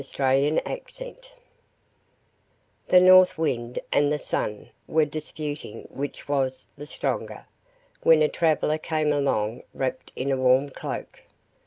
Orthographic version The North Wind and the Sun were disputing which was the stronger, when a traveler came along wrapped in a warm cloak.